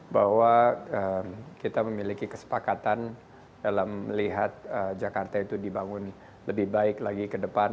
bahwa kita memiliki kesepakatan dalam melihat jakarta itu dibangun lebih baik lagi ke depan